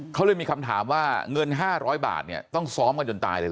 เขาเลยมีคำถามว่าเงิน๕๐๐บาทเนี่ยต้องซ้อมกันจนตายเลย